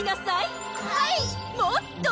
はい！